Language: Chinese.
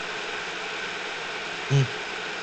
在金仁问去新罗的途中遇到前来道歉的新罗来使。